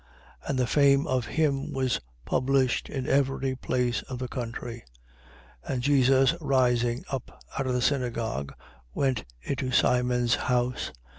4:37. And the fame of him was published into every place of the country. 4:38. And Jesus rising up out of the synagogue, went into Simon's house.